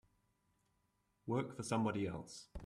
Work for somebody else.